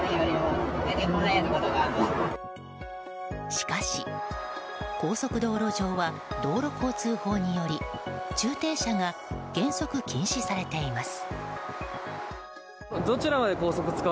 しかし、高速道路上は道路交通法により駐停車が原則禁止されています。